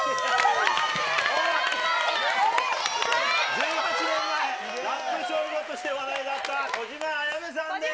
１８年前、ラップ少女として話題だった、小島あやめさんです。